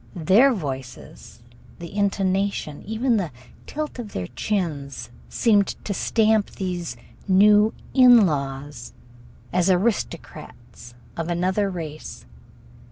Their voices, the intonation, even the tilt of their chins, seemed to stamp these new "in laws" as aristocrats of another race.